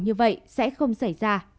như vậy sẽ không xảy ra